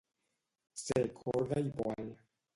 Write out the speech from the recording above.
Ser corda i poal.